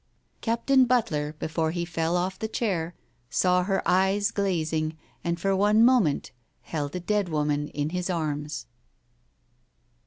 Captain Butler, before he fell off the chair, saw her eyes glazing, and for one moment held a dead woman in his arms.